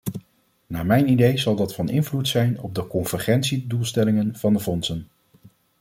Naar mijn idee zal dat van invloed zijn op de convergentiedoelstellingen van de fondsen.